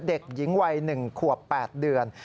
เด็กหญิงวัย๑ขวบ๘เดือน